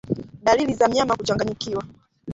Dalili za mnyama kuchanganyikiwa